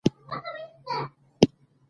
فرهنګ د ټولني د ژوندي پاتې کېدو شرط دی.